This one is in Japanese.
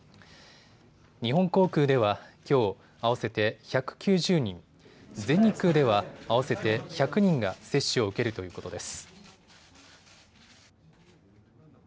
日本航空ではきょう合わせて１９０人、全日空では合わせて１００人が接種を受けるということです。